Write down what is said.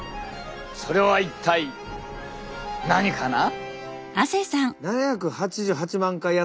それは一体何かな？